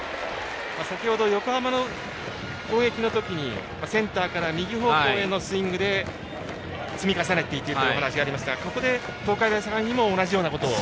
先ほど横浜の攻撃のときにセンターから右方向へのスイングで積み重ねていけばというお話がありましたがここで東海大相模にも同じようなことを。